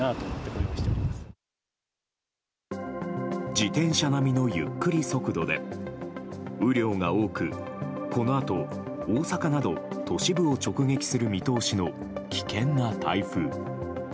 自転車並みのゆっくり速度で雨量が多くこのあと、大阪など都市部を直撃する見通しの危険な台風。